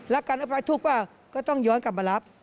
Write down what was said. รักกันเอาไปถูกป่ะก็ต้องย้อนกลับมารับ